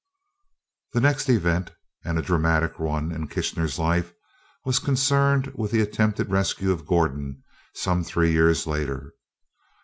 The next event and a dramatic one in Kitchener's life was concerned with the attempted rescue of Gordon, some three years later.